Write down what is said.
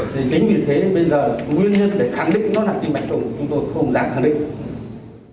thì chính vì thế bây giờ nguyên nhân để khẳng định nó là tim mạch thổng của chúng tôi không dám khẳng định